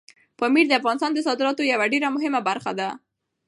پامیر د افغانستان د صادراتو یوه ډېره مهمه برخه ده.